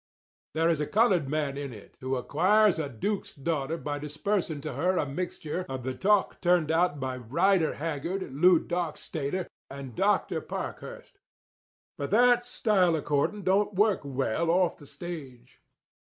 There is a coloured man in it who acquires a duke's daughter by disbursing to her a mixture of the talk turned out by Rider Haggard, Lew Dockstader, and Dr. Parkhurst. But that style of courting don't work well off the stage.